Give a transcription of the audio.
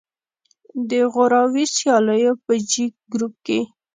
د غوراوي سیالیو په جې ګروپ کې